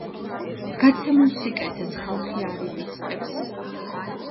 გაცემულ სიკეთეს ხალხი არ ივიწყებს!